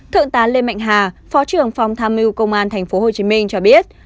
thượng tá lê mạnh hà phó trưởng phòng tham mưu công an tp hcm cho biết